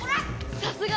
さすが！